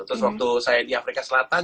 terus waktu saya di afrika selatan